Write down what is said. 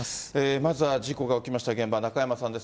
まずは事故が起きました現場、中山さんです。